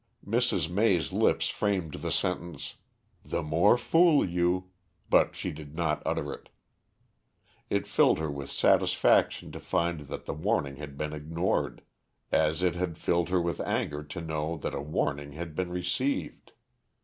Mrs. May's lips framed the sentence, "The more fool you," but she did not utter it. It filled her with satisfaction to find that the warning had been ignored, as it had filled her with anger to know that a warning had been received.